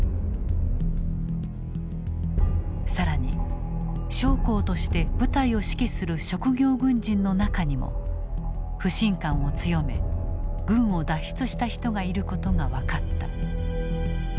更に将校として部隊を指揮する職業軍人の中にも不信感を強め軍を脱出した人がいることが分かった。